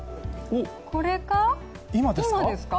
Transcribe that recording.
これは今ですか？